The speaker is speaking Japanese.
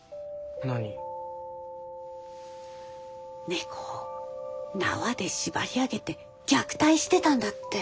猫を縄で縛り上げて虐待してたんだって。